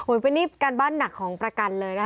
เป็นนี่การบ้านหนักของประกันเลยนะคะ